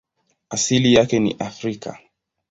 Asili yake ni Afrika.